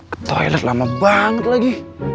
ke toilet lama banget lagi